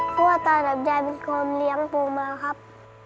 เพราะว่าตากับยายเป็นคนเลี้ยงปูมาครับ